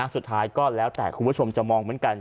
สุดท้ายก็แล้วแต่คุณผู้ชมจะมองเหมือนกัน